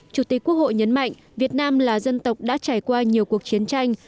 chủ tịch quốc hội nhấn mạnh việt nam là dân tộc đã trải qua nhiều cuộc chiến tranh